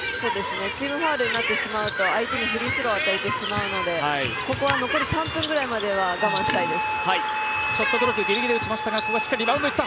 チームファウルになってしまうと相手にフリースローを与えてしまうのでここは残り３分ぐらいまでは我慢したいです。